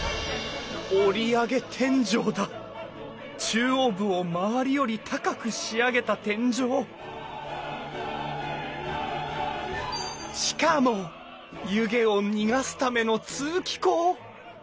中央部を周りより高く仕上げた天井しかも湯気を逃がすための通気口！